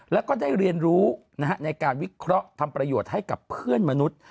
แล้วก็ได้เรียนรู้ในการวิเคราะห์ทำประโยชน์ให้กับเพื่อนมนุษย์